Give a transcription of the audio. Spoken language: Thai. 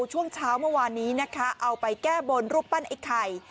ช่วงเช้าเมื่อวานนี้นะคะเอาไปแก้บนรูปปั้นไอ้ไข่